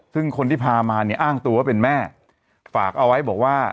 ซึ่งคนที่พามาเนี่ยอ้างตัวว่าเป็นแม่ฝากเอาไว้บอกว่า